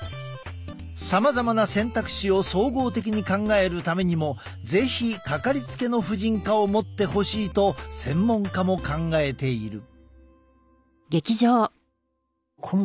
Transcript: さまざまな選択肢を総合的に考えるためにも是非かかりつけの婦人科を持ってほしいと専門家も考えている。